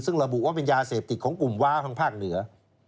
ซึ่งระบุว่าเป็นยาเสพติดของกลุ่มว้าทางภาคเหนือ